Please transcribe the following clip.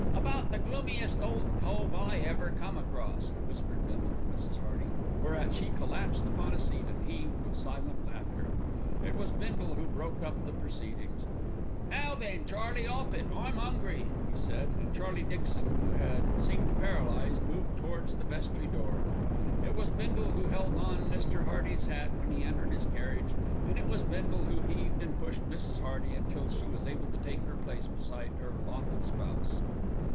"About the gloomiest ole cove I ever come across," whispered Bindle to Mrs. Hearty, whereat she collapsed upon a seat and heaved with silent laughter. It was Bindle who broke up the proceedings. "Now then, Charlie, 'op it, I'm 'ungry!" he said; and Charlie Dixon, who had seemed paralysed, moved towards the vestry door. It was Bindle who held on Mr. Hearty's hat when he entered his carriage, and it was Bindle who heaved and pushed Mrs. Hearty until she was able to take her place beside her lawful spouse.